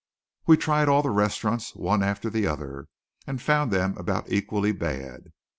We tried all the restaurants, one after the other, and found them about equally bad.